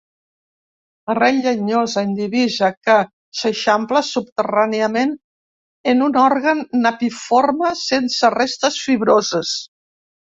Arrel llenyosa, indivisa, que s'eixampla subterràniament en un òrgan napiforme, sense restes fibroses.